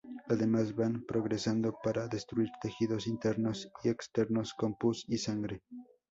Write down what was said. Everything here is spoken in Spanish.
Además, van progresando para destruir tejidos internos y externos, con pus y sangre.